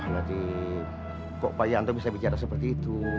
nanti kok pak yanto bisa bicara seperti itu